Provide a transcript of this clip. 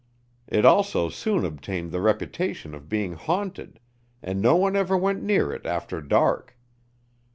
It also soon obtained the reputation of being haunted, and no one ever went near it after dark.